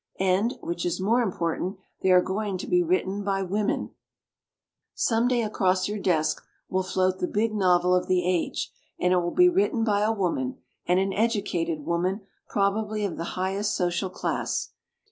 And, which is more important, they are going to be written by v^omerL Some day across your desk will float the big novel of the age, and it will be written by a woman, and an educated woman, prob ably of the highest social class.